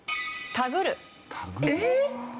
タグる？